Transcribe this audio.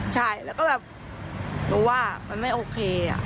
ใช่แล้วก็แบบรู้ว่ามันไม่โอเค